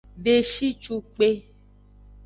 Beshicukpe.